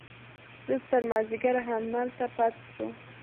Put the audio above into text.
تر مازديګره هملته پاته سو.